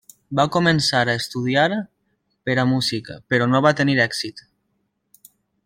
Va començar a estudiar per a músic però no va tenir èxit.